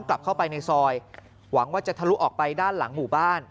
กลับเข้าไปในซอยหวังว่าจะทะลุออกไปด้านหลังหมู่บ้าน